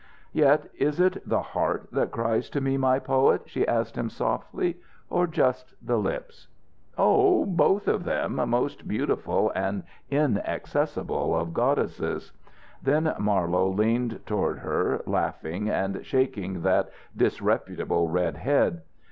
"Yet is it the heart that cries to me, my poet?" she asked him, softly, "or just the lips?" "Oh, both of them, most beautiful and inaccessible of goddesses." Then Marlowe leaned toward her, laughing and shaking that disreputable red head.